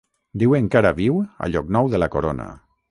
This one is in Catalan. Diuen que ara viu a Llocnou de la Corona.